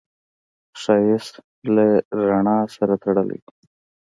ښایست له رڼا سره تړلی دی